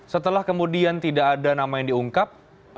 setelah kemudian tidak ada nama yang diungkap